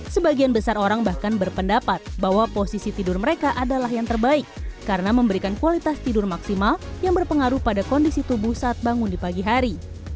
sebagian besar orang bahkan berpendapat bahwa posisi tidur mereka adalah yang terbaik karena memberikan kualitas tidur maksimal yang berpengaruh pada kondisi tubuh saat bangun di pagi hari